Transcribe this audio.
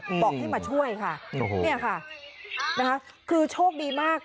บอกให้มาช่วยค่ะนี่ค่ะคือโชคดีมาก